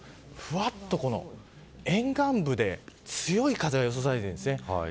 そうすると沿岸部で強い風が予想されているんです。